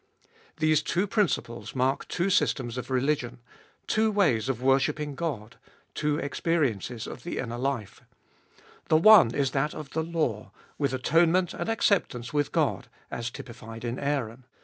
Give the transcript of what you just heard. These two principles mark two systems of religion, two ways of worshipping God, two experiences of the inner life. tboliest of BU 241 The one is that of the law, with atonement and acceptance with God, as typified in Aaron.